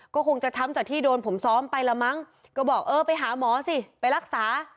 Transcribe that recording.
ก็คงจะช้ำจากที่โดนผมซ้อมไปละมั้งก็บอกเออไปหาหมอสิไปรักษา